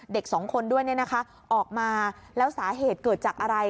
เด็กสองคนด้วยเนี่ยนะคะออกมาแล้วสาเหตุเกิดจากอะไร